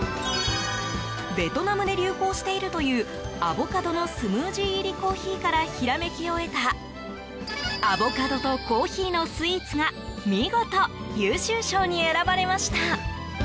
ベトナムで流行しているというアボカドのスムージー入りコーヒーからひらめきを得たアボカドとコーヒーのスイーツが見事、優秀賞に選ばれました。